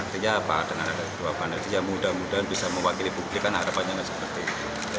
artinya apa dengan ada dua panelis ya mudah mudahan bisa mewakili publik kan harapannya tidak seperti itu